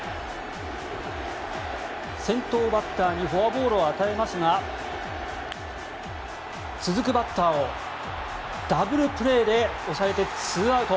先頭バッターにフォアボールを与えますが続くバッターをダブルプレーで抑えて２アウト。